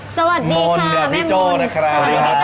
สวัสดีค่ะแม่มนต์สวัสดีพี่โจ้ค่ะ